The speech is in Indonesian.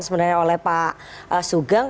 sebenarnya oleh pak sugeng